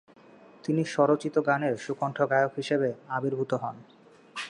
তিনি স্বরচিত গানের সুকণ্ঠ গায়ক হিসেবে আবির্ভূত হন ।